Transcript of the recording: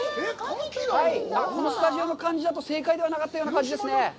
このスタジオの感じだと正解ではなかったようですね。